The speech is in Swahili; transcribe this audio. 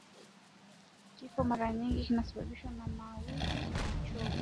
Kifo mara nyingi unasababishwa na maudhi au uchovu